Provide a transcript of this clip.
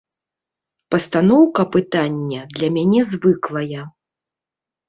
Пастаноўка пытання для мяне звыклая.